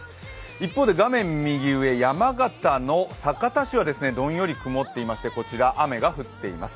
一方で画面右上、山形の酒田市はどんより曇っていまして、こちら雨が降っています。